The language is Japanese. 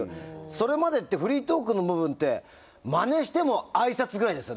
それまでってフリートークの部分ってマネしても挨拶ぐらいですよね。